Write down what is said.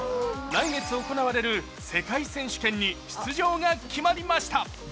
来月行われる世界選手権に出場が決まりました。